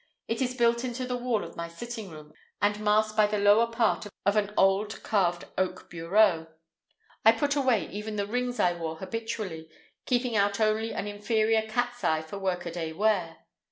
It is built into the wall of my sitting room, and masked by the lower part of an old carved oak bureau. I put away even the rings I wore habitually, keeping out only an inferior cat's eye for workaday wear.